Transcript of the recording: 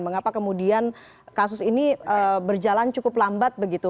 mengapa kemudian kasus ini berjalan cukup lambat begitu